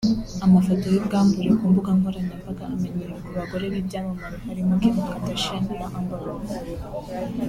Amafoto y’ubwambure ku mbuga nkoranyambaga amenyerewe ku bagore b’ibyamamare barimo Kim Kardashian na Amber Rose